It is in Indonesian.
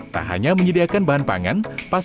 tak hanya menyediakan bahan pangan